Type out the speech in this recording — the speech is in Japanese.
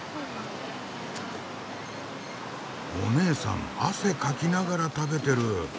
おねえさん汗かきながら食べてる。